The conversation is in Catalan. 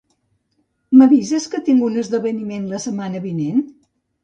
M'avises que tinc un esdeveniment la setmana vinent?